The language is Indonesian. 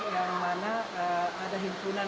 yang mana ada himpunan